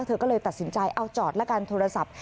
เธอก็เลยตัดสินใจเอาจอดละกันโทรศัพท์